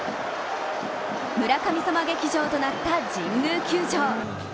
村神様劇場となった神宮球場。